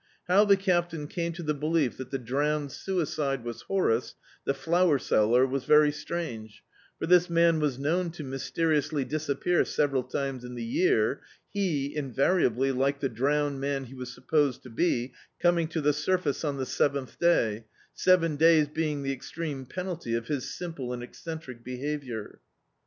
How the Captain came to the be lief that the drowned suicide was Horace, the flower seller, was very strange, for this man was known to mysteriously disappear several times in the year, he, invariably, like the drowned man he was supposed to be, coming to the surface on the seventh day, seven days being the extreme penalty of his simple and eccentric behaviour.